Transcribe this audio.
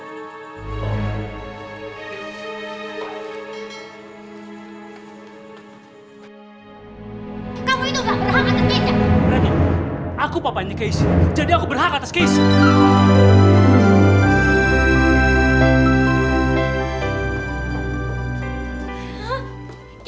kamu itu gak berhak atas keisha